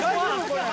これ。